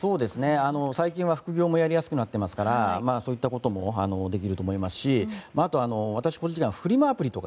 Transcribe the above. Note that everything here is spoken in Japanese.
最近は副業もやりやすくなっていますからそういったこともできると思いますしあとは私個人的にはフリマアプリ。